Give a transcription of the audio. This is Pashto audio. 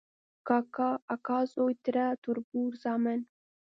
کاکا، اکا زوی ، تره، تربور، زامن ،